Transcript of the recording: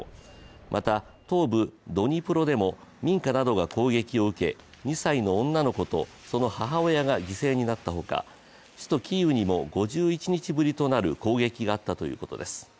また、東部ドニプロでも民家などが攻撃を受け２歳の女の子とその母親が犠牲になったほか、首都キーウにも５１日ぶりとなる攻撃があったということです。